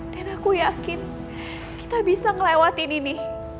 dan aku yakin kita bisa ngelewatin ini